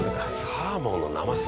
「サーモンのなます？」